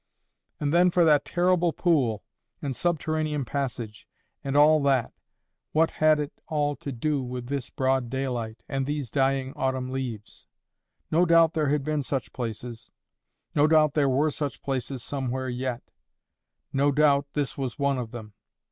And then for that terrible pool, and subterranean passage, and all that—what had it all to do with this broad daylight, and these dying autumn leaves? No doubt there had been such places. No doubt there were such places somewhere yet. No doubt this was one of them.